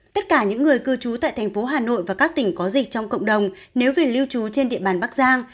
tất cả những người cư trú tại thành phố hà nội và các tỉnh có dịch trong cộng đồng nếu về lưu trú trên địa bàn bắc giang